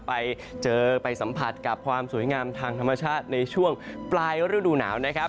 ไปเจอไปสัมผัสกับความสวยงามทางธรรมชาติในช่วงปลายฤดูหนาวนะครับ